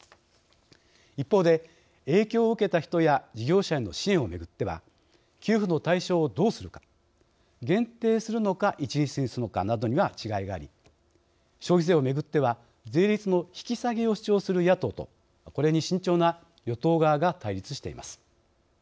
一方で影響を受けた人や事業者への支援をめぐっては給付の対象をどうするか限定するのか一律にするのかなどには違いがあり消費税をめぐっては税率の引き下げを主張する野党とこれに慎重な与党側が対立しています。